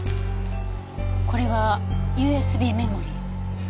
これはＵＳＢメモリ。